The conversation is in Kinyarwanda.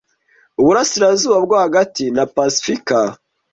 Uburasirazuba bwo hagati na Pasifika,